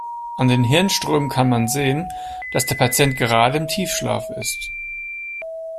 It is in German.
An den Hirnströmen kann man sehen, dass der Patient gerade im Tiefschlaf ist.